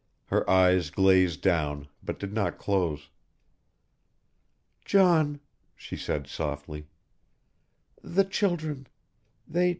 Her eyes glazed down, but did not close. "John," she said softly, "the children ... they